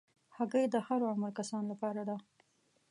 هګۍ د هر عمر کسانو لپاره ده.